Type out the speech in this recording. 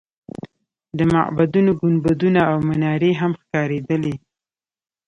د معبدونو ګنبدونه او منارې هم ښکارېدلې.